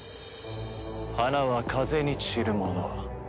花は風に散るもの。